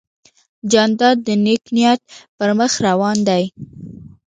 جانداد د نیک نیت پر مخ روان دی.